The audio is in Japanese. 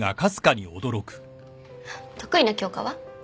得意な教科は？